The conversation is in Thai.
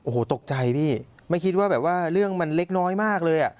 โอ้โหตกใจนี่ไม่คิดว่าแบบว่าเรื่องมันเล็กน้อยมากเลยอ่ะ